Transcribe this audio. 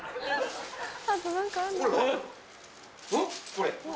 これ。